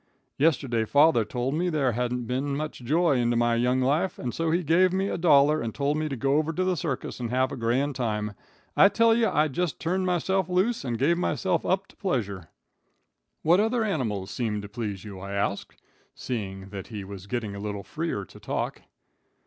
Yesterday father told me there hadn't been much joy into my young life, and so he gave me a dollar and told me to go over to the circus and have a grand time. I tell you, I just turned myself loose and gave myself up to pleasure." [Illustration: I WAS A POOR CONVERSATIONALIST.] "What other animals seemed to please you?" I asked, seeing that he was getting a little freer to talk.